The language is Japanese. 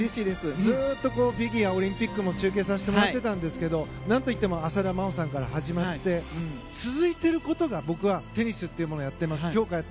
ずっとフィギュアオリンピックも中継させてもらってたんですけどなんといっても浅田真央さんから始まって続いていることが僕はテニスというものをやっています。